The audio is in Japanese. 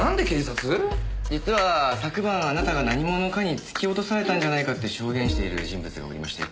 実は昨晩あなたが何者かに突き落とされたんじゃないかって証言している人物がおりまして。